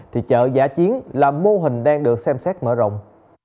thì chợ giả chiến là mô hình đang được xem xét mở rộng